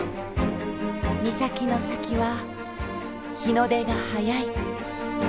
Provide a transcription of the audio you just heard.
岬の先は日の出が早い。